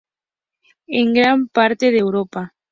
En gran parte de Europa.